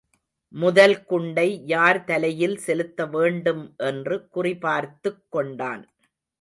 முதல் குண்டை யார் தலையில் செலுத்த வேண்டும் என்று குறிபார்த்துக் கொண்டான்.